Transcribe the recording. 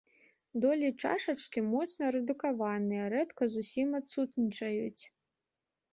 Долі чашачкі моцна рэдукаваныя, рэдка зусім адсутнічаюць.